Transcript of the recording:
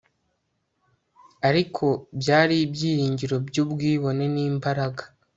Ariko byari ibyiringiro byubwibone nimbaraga